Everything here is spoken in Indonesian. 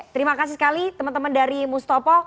terima kasih sekali teman teman dari mustopo